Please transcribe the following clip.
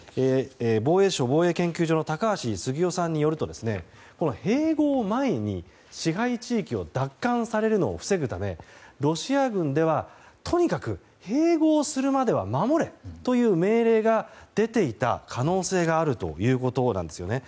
防衛省防衛研究所の高橋杉雄さんによると併合前に支配地域を奪還されるのを防ぐためロシア軍では、とにかく併合するまでは守れという命令が出ていた可能性があるということなんですね。